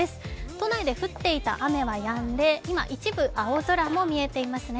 都内で降っていた雨はやんで今、一部、青空も見えていますね。